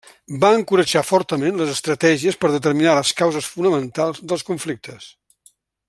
Va encoratjar fortament les estratègies per determinar les causes fonamentals dels conflictes.